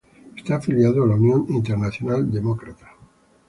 Está afiliado a la Unión Internacional Demócrata.